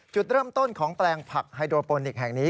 จุดเริ่มต้นของแปลงผักไฮโดโปนิกแห่งนี้